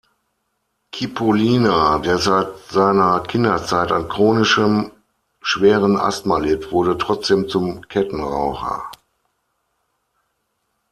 Cipollina, der seit seiner Kinderzeit an chronischem, schweren Asthma litt, wurde trotzdem zum Kettenraucher.